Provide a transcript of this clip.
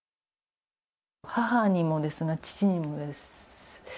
母にもですが、父にもです。